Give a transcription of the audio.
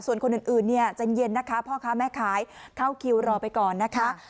ส่วนคนอื่นเนี่ยใจเย็นนะคะพ่อค้าแม่ขายเข้าคิวรอไปก่อนนะคะ